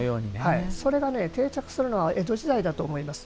それがね、定着するのは江戸時代だと思います。